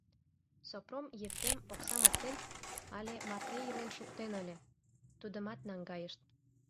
Сопром Епрем, оксам оптен, але марте илен шуктен ыле, тудымат наҥгайышт.